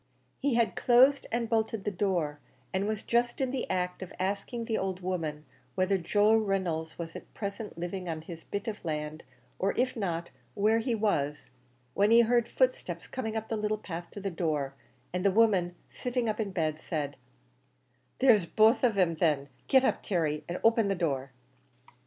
He had closed and bolted the door, and was just in the act of asking the old woman whether Joe Reynolds was at present living on his bit of land, or if not, where he was, when he heard footsteps coming up to the little path to the door, and the woman, sitting up in bed, said, "There's both on 'em thin; get up, Terry, and open the door."